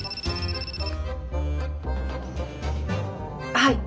はい。